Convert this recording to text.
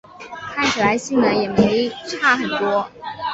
看起来性能也没差很多